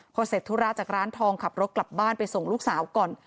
พอเสร็จธุระจากร้านทองขับรถกลับบ้านไปส่งลูกสาวก่อน